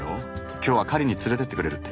今日は狩りに連れてってくれるって。